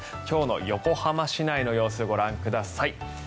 今日の横浜市内の様子ご覧ください。